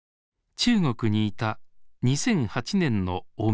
中国にいた２００８年の大みそか。